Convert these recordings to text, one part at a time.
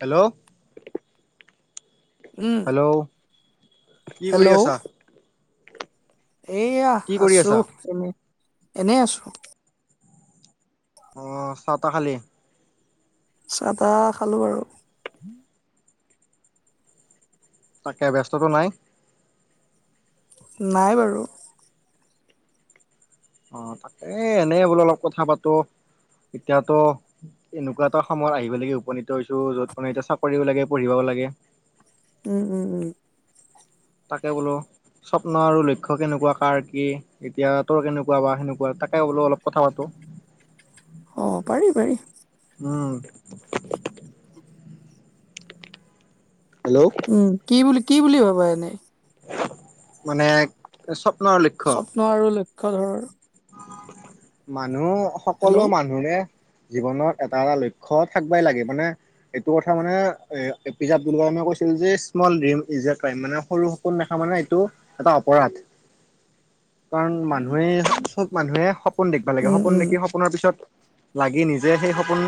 Hello um hello কি কৰি আছা এয়া কি কৰি আছো আছা এনে এনে আছো অ চাহ তাহ খালি চাহ তাহ খালোঁ আৰু তাকে ব্যস্ততো নাই নাই বাৰু অ তাকেই এনে বোলো অলপ কথা পাতো এতিয়াতো এনেকুৱা এটা সময় আহিব লাগে উপনীত হৈছো য'ত মানে এতিয়া চাকৰিও লাগে পঢ়িবও লাগে উম উম উম তাকে বোলো স্বপ্ন আৰু লক্ষ্য কেনেকুৱা কাৰ কি এতিয়া তোৰ কেনেকুৱা বা সেনেকুৱা তাকে বোলো অলপ কথা পাতো অ পাৰি পাৰি উম হেল্ল' উম কি বুলি কি বুলি ভাব এনেই মানে স্বপ্নৰ লক্ষ স্বপ্ন আৰু লক্ষ্য ধৰ মানুহ হেল্ল' সকলো মানুহনে জীৱনত এটা এটা লক্ষ্য থাকবাই লাগে মানে এইটো কথা মানে এ পি জে আব্দুল কালামে কৈছিল যে small dream is a crime মানে সৰু সপোন দেখা মানে এইটো এটা অপৰাধ কাৰণ মানুহে চব মানুহে সপোন দেখবা লাগে উম, সপোন উম, দেখি সপোনৰ পিছত লাগি নিজে সেই সপোন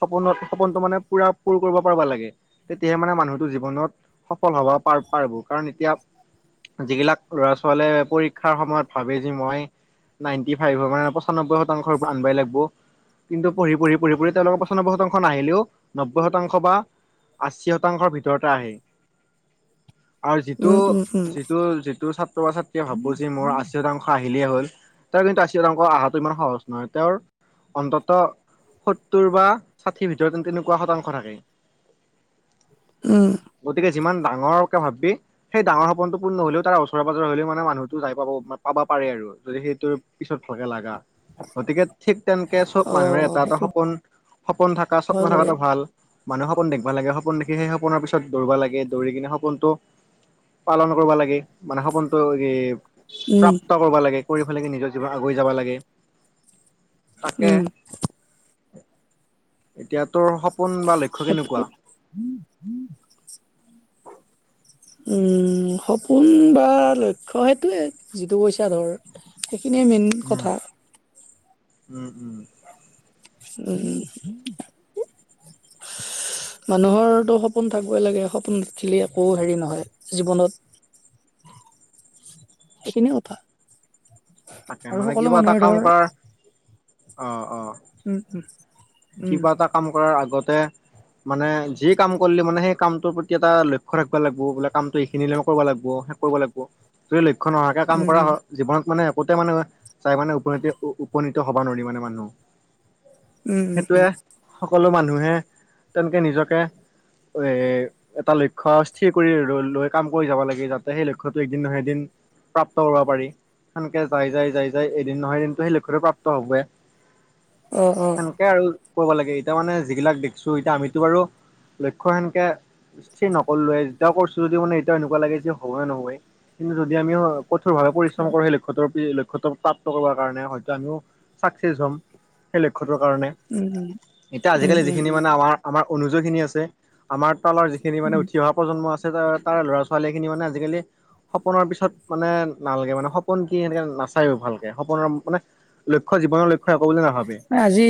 সপোনত সপোনটো মানে পুৰা পূৰ কৰবা পাৰবা লাগে তেতিয়াহে মানে মানুহটো জীৱনত সফল হবা পাৰ পাৰব কাৰণ এতিয়া যিগিলাক ল'ৰা ছোৱালীয়ে পৰীক্ষাৰ সময়ত ভাবে যে মই নাইনটি ফাইভৰ মানে পঁচাননব্বৈ শতাংশ আনবাই লাগব কিন্তু পঢ়ি পঢ়ি পঢ়ি পঢ়ি তেওঁলোকৰ পচানব্বৈ শতাংশ নাহিলেও নব্বৈ শতাংশ বা আশী শতাংশৰ ভিতৰতে আহে আৰু যিটো উম, উম, উম, যিটো যিটো ছাত্ৰ বা ছাত্ৰীয়ে ভাব-ব যে মোৰ আশী শতাংশ আহিলেই হ'ল তেওঁৰ কিন্তু আশী এতাংশ আহাটো ইমান সহজ নহয় তেওঁৰ অন্তত সত্তৰ বা ষাঠিৰ ভিতৰতে তেনেকুৱা শতাংশ থাকে [unintelligible] উম গতিকে যিমান ডাঙৰকে ভাবি সেই ডাঙৰ সপোনটো পূণ নহলেও তাৰ ওচৰে পাজৰে হলেও মানে মানুহতো যাই পাব পাবা পাৰে আৰু যদি সেইটো পিছত ভগে লাগা গতিকে ঠিক তেনেকে চব মানুহে অ', এটা এটা সেইটো সপোন সপোন থাক হয় স্বপ্ন বাৰু থাকাটো ভাল মানুহে সপোন দেখবা লাগে সপোন দেখি সেই সপোনৰ পিছত দৌবা লাগে দৌৰি কিনে সপোনটো পালন কৰবা লাগে মানে সপোনটো এই উম, প্ৰাপ্ত কৰবা লাগে কৰি ফেলে নিজৰ জীৱন আগুৱই যাবা লাগে তাকে উম এতিয়া তোৰ সপোন বা লক্ষ্য কেনেকুৱা [unintelligible] উম সপোন বা লক্ষ্য সেইটোয়ে যিটো কইচা ধৰ সেইখিনিয়ে মেইন উম কথা উম উম উম উম [unintelligible] মানুহৰটো সপোন থাকবাই লাগে সপোন দেখিলে একো হেৰি নহয় জীৱনত [unintelligible] এইখিনি কথা তাকে আৰু মানে সকলো কিবা এটা মানুহে কাম ধৰ কৰাৰ অ অ উম উম কিবা এটা কাম কৰাৰ আগতে মানে, যি কাম কৰিলো মানে সেই কামটোৰ প্ৰতি এটা লক্ষ্য ৰাখিবা লাগিব বোলে কামটো এইখিনিলৈকে কৰিব লাগিব। কৰিব লাগিব, যদি লক্ষ্য নহাকে কাম উম কৰা উম হয়- জীৱনত মানে একোতে মানে চাই মানে উপনী উপনীত হব নোৱাৰি মানে মানুহ। উম উম সেইটোৱে উম সকলো মানুহে তেনেকে নিজকে এ- এটা লক্ষ্য স্থিৰ কৰি লৈ লৈ কাম কৰি যাব লাগে যাতে সেই লক্ষ্যটো এদিন নহয় এদিন- প্ৰাপ্ত কৰিব পাৰি সেনেকে যাই যাই যাই যাই এদিন নহয় এদিনটো সেই লক্ষতে প্ৰাপ্ত হবয়ে। অ অ' তে আৰু কৰিব লাগে এতিয়া মানে যিগিলাক দেখছো এতিয়া আমিতো বাৰু লক্ষ্য় সেনকে- ছেই নকলোৱেই যেইটা কৰছো যদি মানে এতিয়াও এনেকুৱা লাগে যে হবই নহবয়। কিন্তু, যদি আমি কঠোৰ ভাৱে পৰিশ্ৰম কৰো সেই লক্ষ্য লক্ষ্যত প্ৰাপ্ত কৰিব কাৰণে হয়তো আমিও- চাকচেচ হ'ম, সেই লক্ষ্যটোৰ কাৰণে। উম উম' এতিয়া উম আজিকালি উম যিখিনি উম মানে আমাৰ আমাৰ অনুযয়ী খিনি আছে- আমাৰ তলৰ যিখিনি মানে উঠি অহা প্ৰজন্ম আছে ত তাৰে ল'ৰা ছো- ছোৱালী খিনি মানে আজিকালি সপোনৰ পিছত মানে নালাগে মানে সপোন কি সেনেকে নাচ- চাইও ভালকে সপোনৰ মানে লক্ষ্য জীৱনৰ লক্ষ একো বুলি নাভাবে। আজি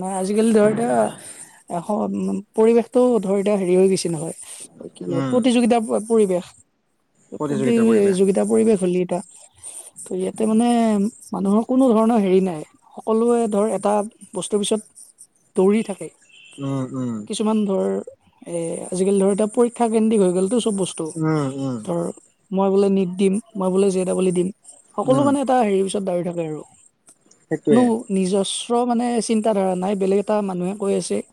ন আজিকালি ধৰ দে এশ পৰিৱেশ- টো ধৰ এতিয়া হেৰি হৈ গৈছে নহয়, কি বুলি কয় উম প্ৰতিযোগিতা পৰিৱেশ। প্ৰতিযোগিতা কৰিবা পতিযোগিতা- টা পৰিৱেশ হ'লে এটা ত' ইয়াতে মানে মানুহৰ কোনো ধৰণৰ হেৰি নাই। সকলোৱে ধৰ এটা বস্তুৰ পিছত দৌৰি থাকে। উম উম' কিছুমান ধৰ এ আজিকালি ধৰ এতিয়া পৰীক্ষা কেন্দ্ৰিক হৈ গ'লতটো চব বস্তু- উম উম তৌ ধৰ, মই বোলে নিদ দিম মই বোলে জে ডাবল ই দিম। ত'- উম সকলো মানে এটা হেৰিৰ পিছত দাৰি থাকে আৰু। কোনো সেইটোৱে নিজস্ব মানে চিন্তা ধাৰা নাই বেলেগ এটা মানুহে কৈ আছে-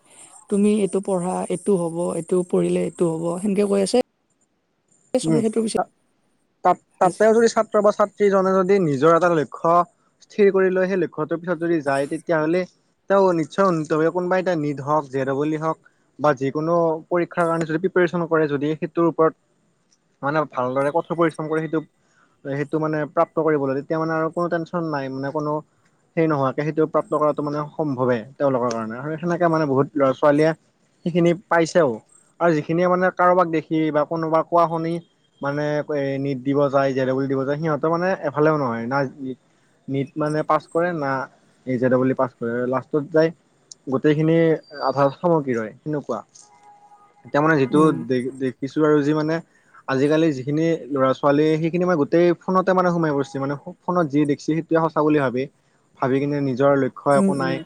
তুমি এইটো পঢ়া এইটো হব এইটো পঢ়িলে এইটো হ'ব সেনেকে কৈ আছে। চবে উম' সেইটোৰ পিছত তাত আজি তাতে যদি ছাত্ৰ বা ছাত্ৰীজনে যদি নিজৰ এটা লক্ষ্য- থিৰ কৰি লয় সেই লক্ষ্যটোৰ পিছত যদি যায় তেতিয়াহ'লে- ত নিশ্চয় কোনোবা এটা নিদ হওক জেদৱলি হওক- বা যিকোনো পৰীক্ষাৰ কাৰণে যদি প্ৰিপেৰেচন কৰে যদি সেইটোৰ ওপৰত- মানে ভালদৰে কঠোৰ পৰিশ্ৰম কৰি সেইটোক- সেইটো মানে প্ৰাপ্ত কৰিবলৈ তেতিয়া মানে আৰু কোনো টেনশ্যন নাই মানে কোনো- সেই নোহোৱাকে সেইটো প্ৰাপ্ত কৰাটো মানে সম্ভৱে তেওঁলোকৰ কাৰণে আৰু সেনেকে মানে বহুত ল'ৰা ছোৱালীয়ে- সেইখিনি পাইছেও আৰু যিখিনিয়ে মানে কাৰোবাক দেখি বা কোনোবা কোৱা শুনি- মানে কয়হে নিট দিব যায় জে ডাবুল দিব যায়, সিহঁতৰ মানে এফালেও নহয় না যি- নিত মানে পাছ কৰে না এ জে ডাবল ই পাছ কৰে, লাষ্টত যায়- গোটেইখিনি আভাস সামগ্ৰী হয় সেনকুৱা। এতিয়া মানে যিটো উম দে দেখিছো আৰু যি মানে- আজিকালি যিখিনি ল'ৰা ছোৱালী সেইখিনি মই গোটেই ফোনতে মানে সোমাই পৰিছে মানে- ফোনত যি দেখিছি সেইটোৱে সঁচা বুলি ভাবে, ভাবি কিনে নিজৰ লক্ষ্য় উম একো নাই। উম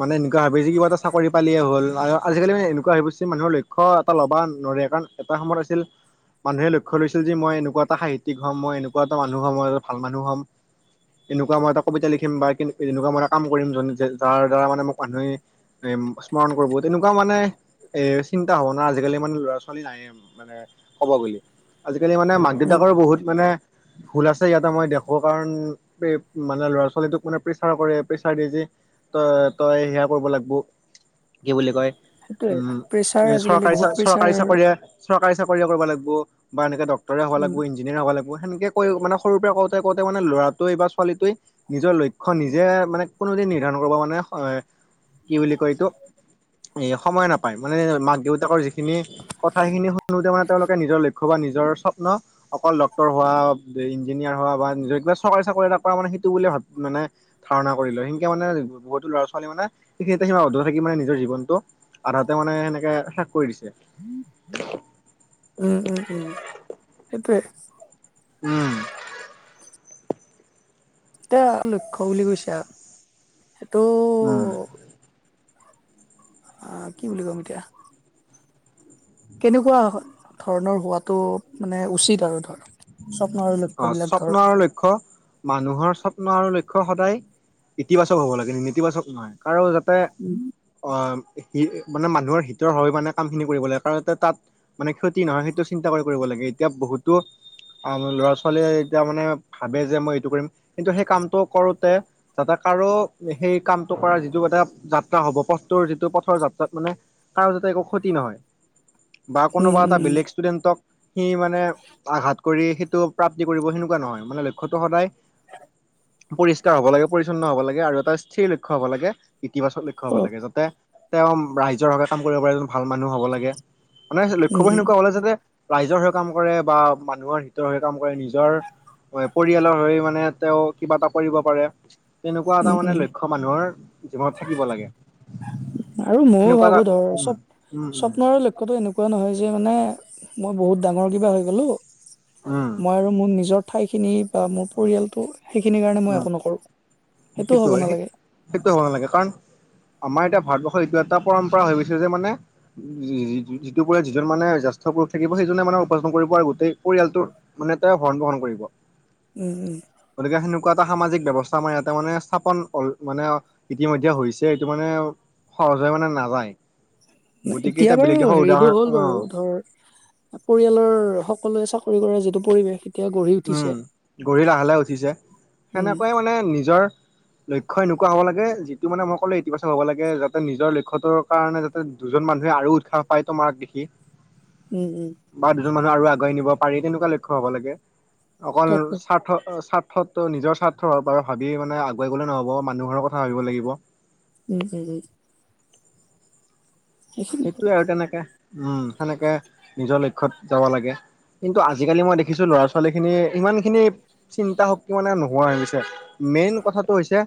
মানে এনেকুৱা ভাবে যে কিবা এটা চাকৰি পালে হ'ল আৰু আজিকালি মানে এনেকুৱা হৈ পৰচি মানুৰ লক্ষ্য- ক্ষ্য এটা ল'বা নোৱাৰে কাৰণ এটা সময়ত আছিল- মানুহে লক্ষ্য লৈছিল যে মই এনেকুৱা এটা সাহিত্যিক হ'ম মই এনেকুৱা এটা মানুহ হম মই এ ভাল মানুহ হ'ম। এনেকুৱা মই এটা কবিতা লিখিম বা কে এনেকুৱা মই এটা কাম কৰিম যাৰ দ্বাৰা মানে মোক মানুহে- উ স্মৰণ কৰিব তেনেকুৱা মানে এ চিন্তা ভাবনা আজিকালি মানে ল'ৰা ছোৱালী নাইে মানে। ক'ব বুলি। আজিকালি মানে মাক উম দেউতাকৰো বহুত মানে ভুল আছে। ইয়াতে মই দেখোঁ কাৰণ মানে ল'ৰা ছোৱালীটোক মানে প্ৰেছাৰ কৰে। প্ৰেছাৰ দিয়ে যে তই তই সেয়া কৰিব লাগিব। কি বুলি কয় সেইটোয়ে উম প্ৰেচাৰ এ আজিকালি চৰকাৰী বহুত প্ৰেচাৰ চৰকাৰী চাকৰি চৰকাৰী চ কৰিয়ে কৰিব লাগিব বা এনেকে ড্টৰে হব লাগব। উম ইঞ্জিনৰ হ'বা লাগব। সেকে ক মানে সৰুৰ পৰা কওঁতে কওঁতে মানে লৰাটোৱে বা চোৱালিতুই নিজৰ লক্ষ্য নিজে মানে কোনোদিন নিৰ্ধাৰণ কৰিব মানে কি বুলি কয় এইটো এ সময় নাপায়। মানে মাক দেউতাকৰ যিখিনি কথা সেইখিনি শুনোতে মানে তেওঁলোকে নিজৰ লক্ষ্য বা নিজৰ স্বপ্ন অকল ড্ক্তৰ হোৱা, ইঞ্জিনিয়াৰ হোৱা বা নিজৰ কিবা চৰকাৰী চাকৰি এটা কৰা মানে সেইটো বুলি ভাবে। মানে ধাৰণা কৰি লয়। সেনকে মানে বহুত লৰা ছোৱালী মানে সেইখিনতে স থাক মে নিজৰ জীৱনটো আধাতে মানে সেনেকে শেষ কৰি দিছে। উম উম উম। সেইটোৱে। উম এয়া লক্ষ্য বুলি কৈছে আৰু। সেইটো উম অ কি বুলি কম এতিয়া কেনেকুৱা ধৰণৰ হোৱটো মানে উচিত আৰু ধৰা? অ স্বপ্নৰ লক্ষ্য মানুহৰ স্বপ্ন আৰু লক্ষ্য সদায় ইতিবাচক হ'ব লাগে। নেতিবাচক নহয়। কাৰো যাতে [inaudible] অ মা মানুহৰ হিতৰ হয় মানে কামখিনি কৰিব লাগে। কাৰণ তাত মানে ক্ষতি নহয় সেইটো চিন্তা কৰি কৰিব লাগে। এতিয়া বহুতো ল'ৰা ছোৱালীয়ে এতিয়া মানে ভাবে যে, মই এইটো কৰিম। কিন্তু সেই কামটো কৰোতে যাতে কাৰো সেই কামটো কৰা যিটো এটা যাত্ৰা হ'ব। পথটোৰ যিটো পথৰ যাত্ৰাত মানে কাৰো যাতে একো ক্ষতি নহয় বা উম, কোনোবা এটা উম। বেলেগ ষ্টুডেন্টক সি মানে আঘাত কৰি সেইটো প্ৰাপ্তি কৰিব সেনেকুৱা নহয়। মানে লক্ষ্যটো সদায় পৰিষ্কাৰ হ'ব লাগে, পৰিচ্ছন্ন হব লাগে আৰু এটা স্থিৰ লক্ষ্য হ'ব লাগে ইতিবাচক লক্ষ্য হ'ব অ- লাগে। যাতে তেওঁ ৰাইজৰ হকে কাম কৰিব পাৰে, এজন ভাল মানুহ হব লাগে। মানে উম, লক্ষ্যবোৰ উম, সেনেকুৱা হলে যাতে ৰাইজৰ হৈ কাম কৰে বা মানুহৰ হিতৰ হৈ কাম কৰে। নিজৰ হয় পৰিয়ালৰ হৈ মানে তেওঁ কিবা এটা কৰিব পাৰে। তেনেকুৱা এটা উম, মানে উম, লক্ষ্যমানুহৰ জীৱনত থাকিব লাগে। আৰু ময়ো সেনেকুৱা এটা ভাবো ধৰ উম সব উম উম স্বপ্নৰ লক্ষ্য লক্ষ্যটো এনেকুৱা নহয় যে, মানে মই বহুত ডাঙৰ কিবা হৈ গ'লো। উম মই আৰু মোৰ নিজৰ ঠাইখিনি বা মোৰ পৰিয়ালটো সেইখিনি কাৰণে মই উম একো নকৰোঁ। সেইটোও হ'ব সেইটোৱে নালাগে। সেইটো হ'ব নালাগে। কাৰণ আমাৰ এতিয়া ভাৰতবৰ্ষৰ এইটো এটা পৰম্পৰা হৈ গৈছে যে, মানে যি যিটোৰ পৰা যিজন মানে জ্যেষ্ঠ পুৰুষ থাকিব, সেইজনে মানে উপাৰ্জন কৰিব আৰু গোটেই পৰিয়ালটোৰ মানে তেওঁ ভৰণ ব্ৰহন কৰিব। উম উম গতিকে সেনো নেকুৱা এটা সামাজিক ব্যৱস্থা আমাৰ ইয়াতে মানে স্থাপন মানে ইতিমধ্যে হৈছে। এইটো মানে সহজে মানে নাযায়। গতিকে এতিয়া বাৰু বেলেগ দেশৰ হেৰিটো উদাহৰণ হ'ল অ বাৰু ধৰ- পৰিয়ালৰ সকলোৱে চাকৰি কৰা যিটো পৰিৱেশ- এতিয়া গঢ়ি উঠিছে। উম গঢ়ি লাহে লাহে উঠিছে। উম, সেনেকুৱাই মানে নিজৰ- লক্ষ্য এনেকুৱা হ'ব লাগে যিটো মানেই কলো এইটো পাছ হ'ব লাগে যাতে নিজৰ লক্ষ্যটোৰ- কাৰণে যাতে দুজন মানুহে আৰু উৎসাহ পায় তোমাক দেখি। উম, উম। বা দুজন মানুহ আৰু আগুৱাই নিব পাৰি তেনেকুৱা লক্ষ্য হব লাগে, অকল তাকে স্বাৰ্থ স্বা- ৰ্থ নিজৰ স্বাৰ্থ বা ভাবি মানে আগুৱাই গ'লে নহ'ব মানুহৰ কথা ভাবিব লাগিব। [unintelligible] [unintelligible] সেইটোয়ে আৰু তেনেকে, উম সেনেকে নিজৰ লক্ষ্যত যাব লাগে। কিন্তু আজিকালি মই দেখিছো ল'ৰা ছোৱালী খিনি ইমান খিনি- চিন্তা শক্তি মানে নোহোৱাহৈ গৈছে। মেইন কথাটো হৈছে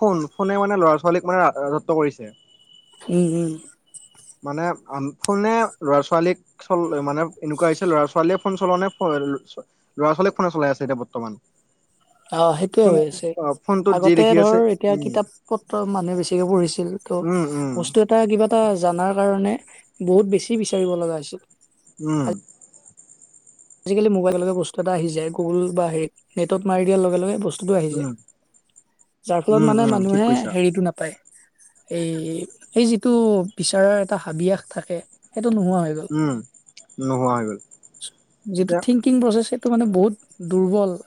ফোন, ফোনে মানে ল'ৰা ছোৱালীক ৰাজত্ব কৰিছে। উম, উম। মানে আ ফোনে ফালে ল'ৰা ছোৱালীক- আচলতে মানে এনেকুৱা হৈছে ল'ৰা ছোৱালীয়ে ফোন চলালে- ল'ৰা ছোৱালী ফোন চলাই আছে এতিয়া বৰ্তমান। অঁ সেইটোয়ে ফোন হৈ আছে। অ' ফোনটোত যি আগতে লিখি ধৰ আছে এতিয়া উম কিতাপ পত্ৰ মানুহে বেছিকে পঢ়িছিল ত' উম উম বস্তু- এটা কিবা এটা জানাৰ কাৰণে বহুত বেছি বিচাৰিব লগা হৈছিল। উম। আজিকালি মোবাইল লগে লগে বস্তু এটা আহি যায় গুগুল বা হেৰি নেটত মাৰি দিয়াৰ লগে লগে বস্তু- টো আহি যায়। উম যাৰ ফলত উম মানে উম ঠিক মানুহে কৈছা হেৰিটো নাপায়- এই এই যিটো বিচাৰাৰ এটা হাবিয়াস থাকে সেইটো নোহোৱা হৈ গ'ল। উম, নোহোৱা হৈ গ'ল। যিটো এতিয়া থিংকিং প্ৰচেছ সেইটো মানে বহুত দুৰ্বল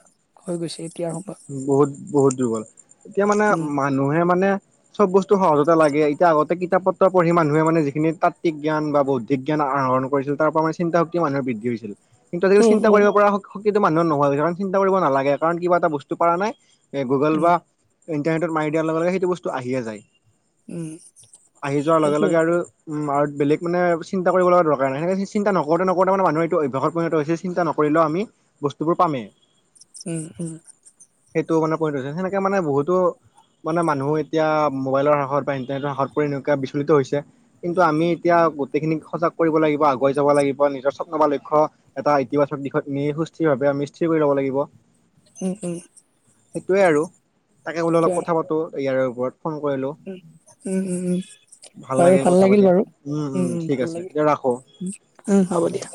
হৈ গৈছে এতিয়াৰ সম- বহুত বহুত দুৰ্বল। এতিয়া মানে উম মানুহে মানে- চব বস্তু সহজতে লাগে। এতিয়া আগতে কিতাপ পত্ৰ পঢ়ি মানুহে মানে যিখিনি তাত্ত্বিক জ্ঞান বুদ্ধ- বিজ্ঞান আহৰণ কৰিছিল তাৰ পৰা মানে চিন্তা শক্তি মানুহে বৃদ্ধি হৈছিল। কিন্তু আজিকালি উম চিন্তা উম কৰিব পৰা শক্তিটো মানুহে নোহোৱা হৈ গৈছে। কাৰণ চিন্তা কৰিব নালাগে, কাৰণ কিবা এটা বস্তু পৰা নাই- এ গুগল বা উম ইণ্টাৰনেটত মাৰি দিয়াৰ লগে লগে সেইটো বস্তু আহিয়ে যায়। উম আহি যোৱাৰ লগে সেইটোৱে লগে আৰু- উম আৰু বেলেগ মানে চিন্তা কৰিব লগা দৰকাৰ নাই। সেনেকে চিন্তা নকৰোতে নকৰোতে মানে মানুহ এইটো অভ্যাসত পৰিণত হৈছে- চিন্তা নকৰিলেও আমি বস্তুবোৰ পামেই। উম, উম। সেইটোও মানে কৰি থৈছে। সেনেকে মানে বহুতো- মানে মানুহ এতিয়া মোবাইলৰ হাতত বা ইণ্টাৰনেটৰ হাতত পৰি এনেকুৱা বিচলিত হৈছে। কিন্তু আমি এতিয়া গোটেইখিনিক সজাগ কৰিব লাগিব, আগুৱাই যাব লাগিব নিজৰ স্বপ্ন বা লক্ষ্য- এটা ইতিবাচক দিশত নি সুস্থিৰভাৱে স্থিৰ কৰি ল'ব লাগিব। উম, উম। সেইটোৱে আৰু তাকে বোলো অলপ কথা পাতোঁ ইয়াৰে ওপৰত ফোন কৰিলোঁ। উম, উম, উম, উম। বাৰু ভাল কথা লাগিল পাতি বাৰু, উম ঠিক ভাল আছে এতিয়া ৰাখো লাগিল, উম হ'ব দিয়া।